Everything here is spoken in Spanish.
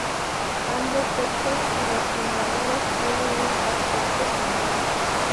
Ambos sexos y los inmaduros tienen un aspecto similar.